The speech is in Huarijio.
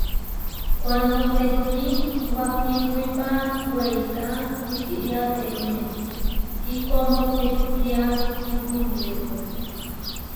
Kuándo tehkí wahipuipa weiká wikíriateme kíkómo téhkia kísimirépua.